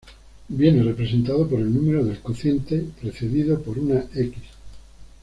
Viene representado por el número del cociente precedido por una 'x'.